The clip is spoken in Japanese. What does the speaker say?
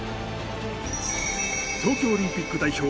東京オリンピック代表